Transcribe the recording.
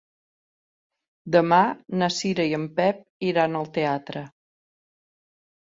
Demà na Cira i en Pep iran al teatre.